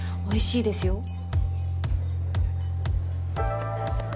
美味しいですよ。